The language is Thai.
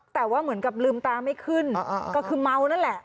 แต่ว่าเหมือนกับลืมตาไม่ขึ้นก็คือเมานั่นแหละ